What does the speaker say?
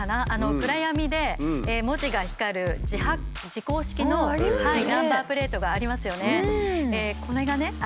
暗闇で文字が光る字光式のナンバープレートがありますよね。